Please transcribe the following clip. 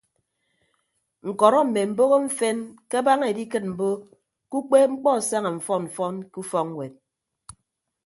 Ñkọrọ mme mboho mfen ke abaña edikịt mbo ke ukpeepmkpọ asaña mfọn mfọn ke ufọkñwet.